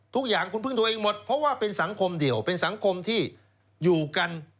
ทุกอย่างคุณพึ่งตัวเองหมดเพราะว่าเป็นสังคมเดี่ยวเป็นสังคมที่อยู่กัน